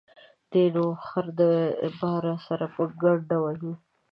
دى نو خر د باره سره په گڼده وهي.